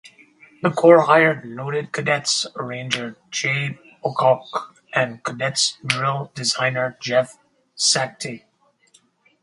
The corps hired noted Cadets arranger Jay Bocook and Cadets drill designer Jeff Sacktig.